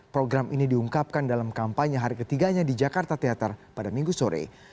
program ini diungkapkan dalam kampanye hari ketiganya di jakarta teater pada minggu sore